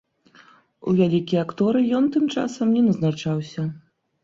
У вялікія акторы ён тым часам не назначаўся.